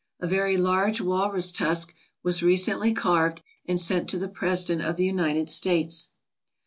A very large walrus tusk was recently carved and sent to the President of the United States.